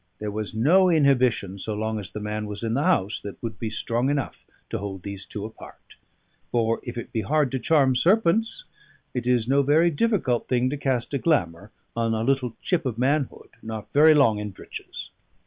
There was no inhibition, so long as the man was in the house, that would be strong enough to hold these two apart; for if it be hard to charm serpents, it is no very difficult thing to cast a glamour on a little chip of manhood not very long in breeches.